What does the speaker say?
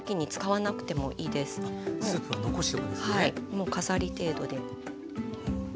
もう飾り程度で。